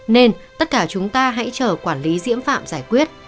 nên tất cả chúng ta hãy chờ quản lý diễm phạm giải quyết